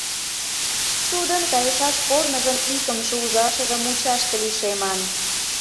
Тудын кайышаш корныжын икымше ужашыже мучашке лишемын.